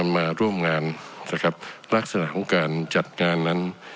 มาร่วมงานนะครับลักษณะของการจัดงานนั้น